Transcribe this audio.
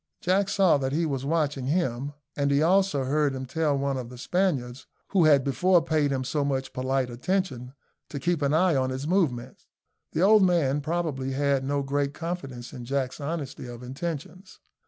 Jack saw that he was watching him, and he also heard him tell one of the Spaniards, who had before paid him so much polite attention, to keep an eye on his movements. The old man, probably, had no great confidence in Jack's honesty of intentions.